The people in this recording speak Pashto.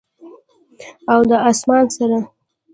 او د اسمان سره،